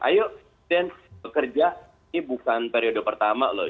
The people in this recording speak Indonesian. ayo presiden bekerja ini bukan periode pertama loh